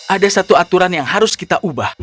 ada satu aturan yang harus kita ubah